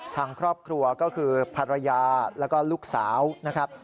ทางครอบครัวก็คือภรรยาแล้วก็ลูกสาวนะครับ